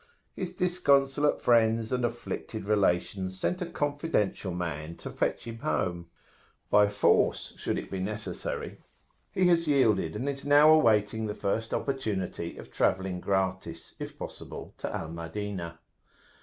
His disconsolate friends and afflicted relations sent a confidential man to fetch him home, by [p.162]force should it be necessary; he has yielded, and is now awaiting the first opportunity of travelling gratis, if possible, to Al Madinah.